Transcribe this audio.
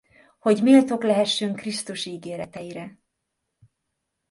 Hogy méltók lehessünk Krisztus ígéreteire!